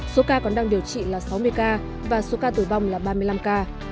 số ca còn đang điều trị là sáu mươi ca và số ca tử vong là ba mươi năm ca